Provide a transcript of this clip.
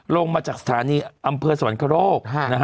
ลงมาจากสถานีอำเภอสวรรคโลก